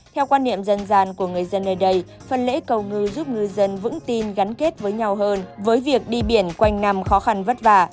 theo quan niệm dân gian của người dân nơi đây phần lễ cầu ngư giúp ngư dân vững tin gắn kết với nhau hơn với việc đi biển quanh năm khó khăn vất vả